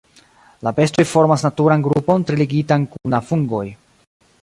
La bestoj formas naturan grupon tre ligitan kun la fungoj.